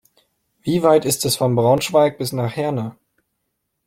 Wie weit ist es von Braunschweig bis nach Herne?